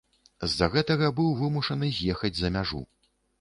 З за гэтага быў вымушаны з'ехаць за мяжу.